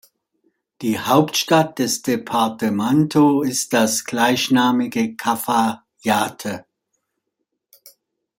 Die Hauptstadt des Departamento ist das gleichnamige Cafayate.